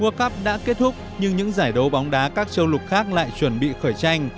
world cup đã kết thúc nhưng những giải đấu bóng đá các châu lục khác lại chuẩn bị khởi trang